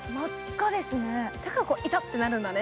だから、痛ってなるんだね。